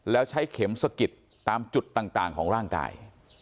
แล้วใช้เข็มสะกิดตามจุดต่างของร่างกาย